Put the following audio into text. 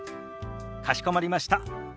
かしこまりました。